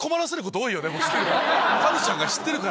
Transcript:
カズさんが知ってるから。